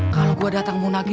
kalau gue datang mau nagih